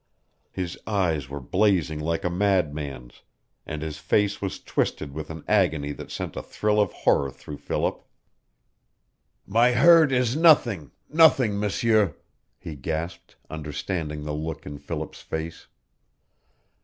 His eyes were blazing like a madman's, and his face was twisted with an agony that sent a thrill of horror through Philip. "My hurt is nothing nothing M'sieur!" he gasped, understanding the look in Philip's face.